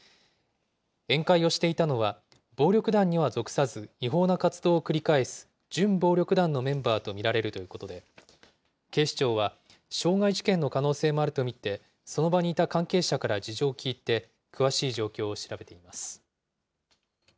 宴会をしていたのは、暴力団には属さず、違法な活動を繰り返す、準暴力団のメンバーと見られるということで、警視庁は傷害事件の可能性もあると見て、その場にいた関係者から事情を聴いて、詳しい状況を調べています。